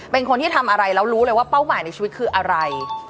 เป็นคนที่ทำอะไรแล้วรู้เลยว่าเป้าหมายในชีวิตคืออะไร